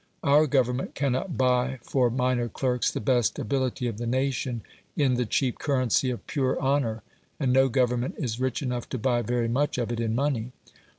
Our Government cannot buy for minor clerks the best ability of the nation in the cheap currency of pure honour, and no Government is rich enough to buy very much of it in money.